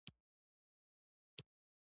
موږ ځو له خیره، ښه بخت ولرې، کامیاب شه.